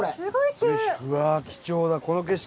うわ貴重だこの景色。